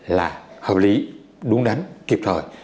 là hợp lý đúng đắn kịp thời